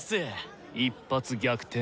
一発逆転。